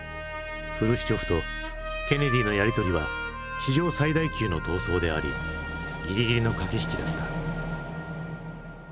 フルシチョフとケネディのやりとりは史上最大級の闘争でありギリギリの駆け引きだった。